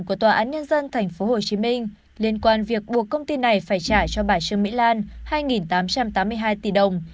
của tòa án nhân dân tp hcm liên quan việc buộc công ty này phải trả cho bà trương mỹ lan hai tám trăm tám mươi hai tỷ đồng